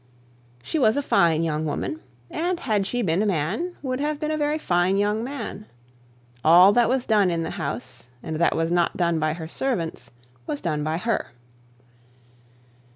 She was a fine young woman; and had she been a man, would have been a very fine young man. All that was done in the house, and that was not done by servants, was done by her.